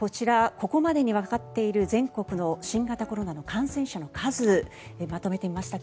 ここまでにわかっている全国の新型コロナウイルスの感染者の数をまとめてみました。